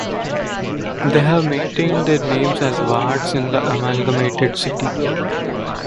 They have maintained their names as wards in the amalgamated city.